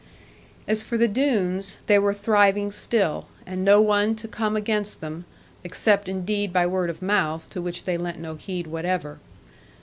As for the Doones, they were thriving still, and no one to come against them; except indeed by word of mouth, to which they lent no heed whatever.